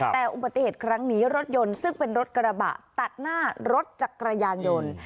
แต่อุบัติเหตุครั้งนี้รถยนต์ซึ่งเป็นรถกระบะตัดหน้ารถจักรยานยนต์